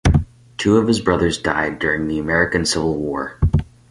Two of his brothers died during the American Civil War.